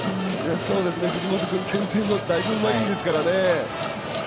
藤本君けん制もだいぶうまいですからね。